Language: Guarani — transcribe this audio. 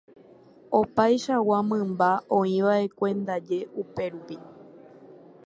Opaichagua mymba oĩva'ekue ndaje upérupi.